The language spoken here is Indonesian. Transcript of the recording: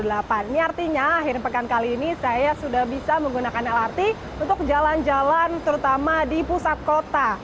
ini artinya akhir pekan kali ini saya sudah bisa menggunakan lrt untuk jalan jalan terutama di pusat kota